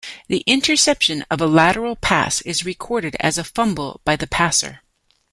The interception of a lateral pass is recorded as a fumble by the passer.